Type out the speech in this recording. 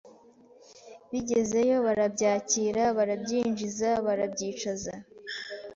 Bigeze yo barabyakira, barabyinjiza barabyicaza